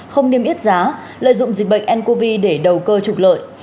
không niêm yết giá lợi dụng dịch bệnh ncov để đầu cơ trục lợi